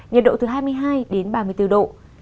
nhiệt độ từ hai mươi hai đến ba mươi bốn độ